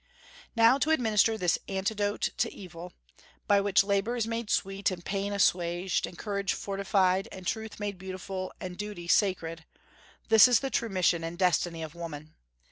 Now, to administer this antidote to evil, by which labor is made sweet, and pain assuaged, and courage fortified, and truth made beautiful, and duty sacred, this is the true mission and destiny of woman.